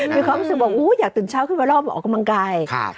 มีความรู้สึกบอกอยากตื่นเช้าขึ้นมารอบออกกำลังกาย